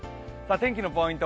天気のポイント